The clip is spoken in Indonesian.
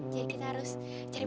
jadi kita harus jadi perhatian